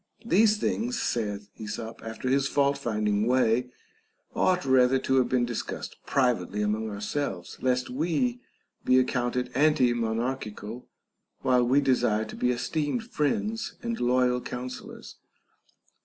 These things, saith Esop after his fault finding way, ought rather to have been discussed privately among ourselves, lest we be ac counted antimonarchical while we desire to be esteemed friends and loyal counsellors.